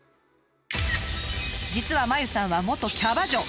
実はまゆさんは元キャバ嬢。